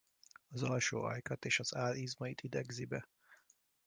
Az alsó ajkat és az áll izmait idegzi be.